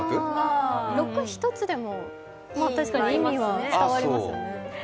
６が１つでも、確かに意味は伝わりますね。